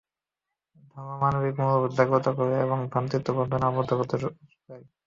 ধর্ম মানবিক মূল্যবোধ জাগ্রত করে এবং ভ্রাতৃত্ব বন্ধনে আবদ্ধ করতে চায়।